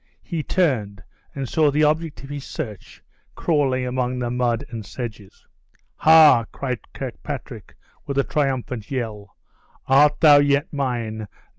He turned, and saw the object of his search crawling amongst the mud and sedges. "Ha!" cried Kirkpatrick, with a triumphant yell, "art thou yet mine?